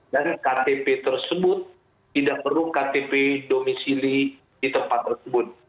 dan ktp tersebut tidak perlu ktp domisili di tempat tersebut